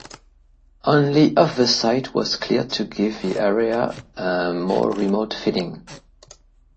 Only of the site was cleared to give the area a more remote feeling.